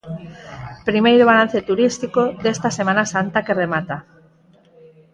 Primeiro balance turístico desta Semana Santa que remata.